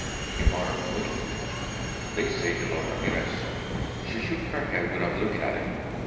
He muttered moodily "They say you love Ramirez." She shook her head without looking at him.